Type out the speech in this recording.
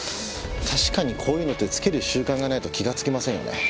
確かにこういうのってつける習慣がないと気がつきませんよね。